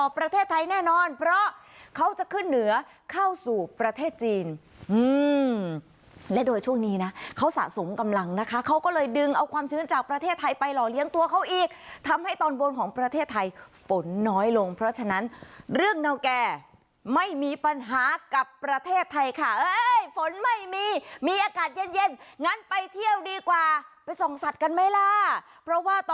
ประเทศไทยแน่นอนเพราะเขาจะขึ้นเหนือเข้าสู่ประเทศจีนและโดยช่วงนี้นะเขาสะสมกำลังนะคะเขาก็เลยดึงเอาความชื้นจากประเทศไทยไปหล่อเลี้ยงตัวเขาอีกทำให้ตอนบนของประเทศไทยฝนน้อยลงเพราะฉะนั้นเรื่องเนาแก่ไม่มีปัญหากับประเทศไทยค่ะเอ้ยฝนไม่มีมีอากาศเย็นเย็นงั้นไปเที่ยวดีกว่าไปส่องสัตว์กันไหมล่ะเพราะว่าต